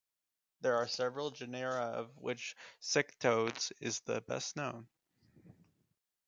There are several genera, of which "Scytodes" is the best-known.